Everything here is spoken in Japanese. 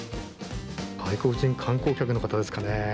外国人観光客の方ですかね。